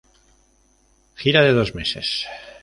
Gira de dos meses.